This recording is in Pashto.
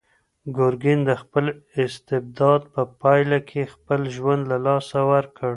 ګورګین د خپل استبداد په پایله کې خپل ژوند له لاسه ورکړ.